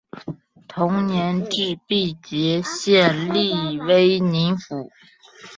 同年置毕节县隶威宁府。